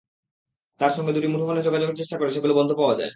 তাঁর সঙ্গে দুটি মুঠোফোনে যোগাযোগের চেষ্টা করে সেগুলো বন্ধ পাওয়া যায়।